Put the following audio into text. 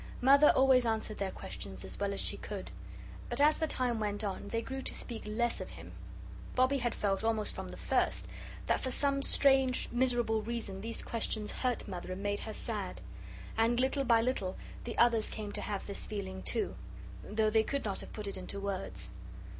Mother always answered their questions as well as she could. But as the time went on they grew to speak less of him. Bobbie had felt almost from the first that for some strange miserable reason these questions hurt Mother and made her sad. And little by little the others came to have this feeling, too, though they could not have put it into words.